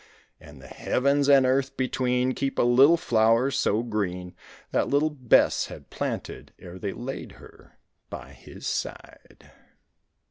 And the heavens and earth between Keep a little flower so green That little Bess had planted ere they laid her by his side.